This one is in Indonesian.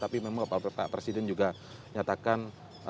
tapi memang pak presiden juga nyatakan